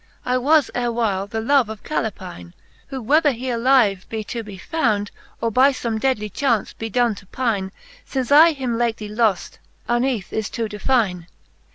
I was erewhile the love of Calepine, Who whether he alive be to be found, Or by fome deadly chaunce be done to pine, Since I him lately loft, uneath is to define.